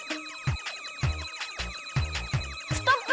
ストップ！